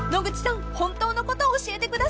本当のこと教えてください！］